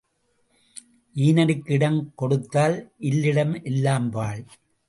ஈனருக்கு இடம் கொடுத்தால் இல்லிடம் எல்லாம் பாழ்.